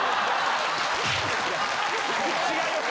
違います。